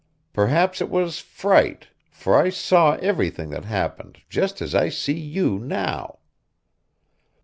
Perhaps it was fright, for I saw everything that happened just as I see you now.